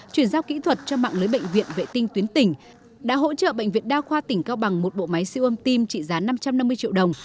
chuyển giao kỹ thuật cho mạng lưới bệnh viện vệ tinh tuyến tỉnh đã hỗ trợ bệnh viện đa khoa tỉnh cao bằng một bộ máy siêu âm tim trị giá năm trăm năm mươi triệu đồng